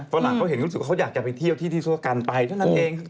ฝรั่งเขาเห็นรู้สึกว่าเขาอยากจะไปเที่ยวที่ที่ซั่วกันไปเท่านั้นเอง